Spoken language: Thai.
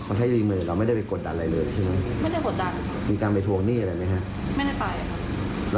ก็ที่เรามาให้ยิงมาเท่าไหร่เราไม่ได้ไปกดดันอะไรเลยใช่ไหม